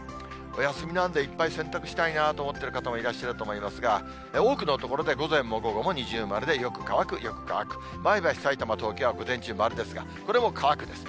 お休みなんで、いっぱい洗濯したいなと思ってらっしゃる方もいらっしゃると思いますが、多くの所で午前も午後も二重丸でよく乾く、よく乾く、前橋、東京、さいたまは、これも乾くです。